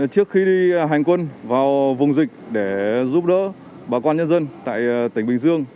trước khi đi hành quân vào vùng dịch để giúp đỡ bà con nhân dân tại tỉnh bình dương